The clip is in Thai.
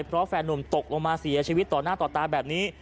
เพราะแฟนนุ่มตกลงมาเสียชีวิตต่อหน้าต่อตาแบบนี้